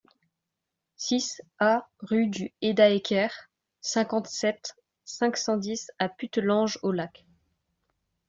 six A rue du Heidaecker, cinquante-sept, cinq cent dix à Puttelange-aux-Lacs